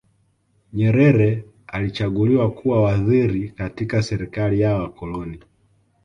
nyerere alichaguliwa kuwa waziri katika serikali ya wakoloni